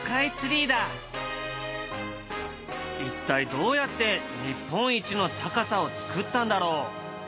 一体どうやって日本一の高さを造ったんだろう？